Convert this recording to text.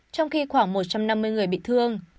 trong khi khoảng một trăm năm mươi người bị thương